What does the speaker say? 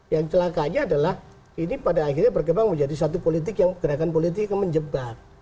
yang celakanya adalah ini pada akhirnya berkembang menjadi satu politik yang gerakan politik menjebak